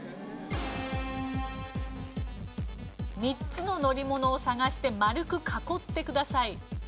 ３つの乗り物を探して丸く囲ってください。